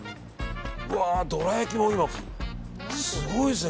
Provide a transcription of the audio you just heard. どら焼きも今、すごいですね。